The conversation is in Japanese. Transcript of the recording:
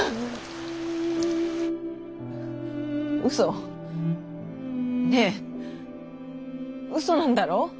うそねぇうそなんだろう？